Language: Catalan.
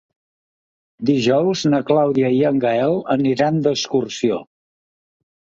Dijous na Clàudia i en Gaël aniran d'excursió.